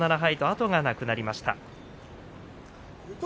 後がなくなりました。